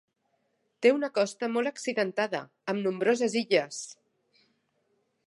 Té una costa molt accidentada, amb nombroses illes.